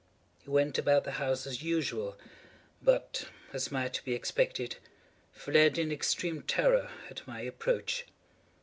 He went about the house as usual, but, as might be expected, fled in extreme terror at my approach.